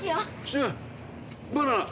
駿バナナ。